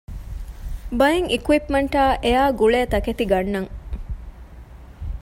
ބައެއް އިކްއިޕްމަންޓާއި އެއާގުޅޭ ތަކެތި ގަންނަން